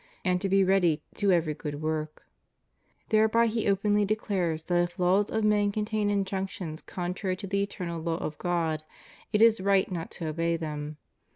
And to be ready to every good work} Thereby he openly declares that if laws of men contain injunctions contrary to the eternal law of God, it is right not to obey them.